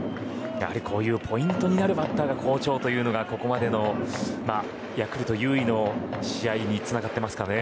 やはりこういうポイントになるバッターが好調というのがここまでのヤクルト優位の試合につながってますかね。